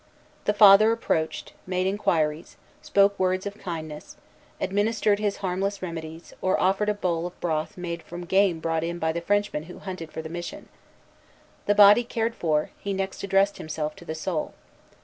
The Father approached, made inquiries, spoke words of kindness, administered his harmless remedies, or offered a bowl of broth made from game brought in by the Frenchman who hunted for the mission. The body cared for, he next addressed himself to the soul.